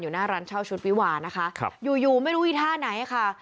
อยู่หน้าร้านเช่าชุดวีหวานนะคะอยู่ไม่รู้ที่ท่าไหนค่ะ